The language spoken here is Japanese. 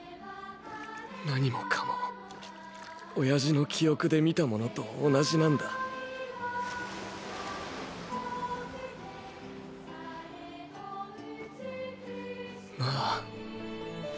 何もかも親父の記憶で見たものと同じなんだ。なぁ？